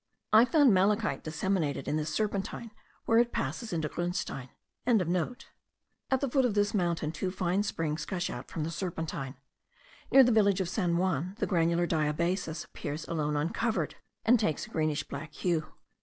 I found malachite disseminated in this serpentine, where it passes into grunstein.) At the foot of this mountain two fine springs gush out from the serpentine. Near the village of San Juan, the granular diabasis appears alone uncovered, and takes a greenish black hue.